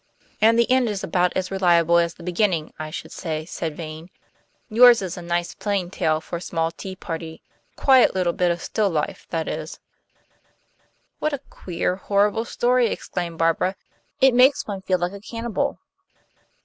"And the end is about as reliable as the beginning, I should say," said Vane. "Yours is a nice plain tale for a small tea party; a quiet little bit of still life, that is." "What a queer, horrible story," exclaimed Barbara. "It makes one feel like a cannibal."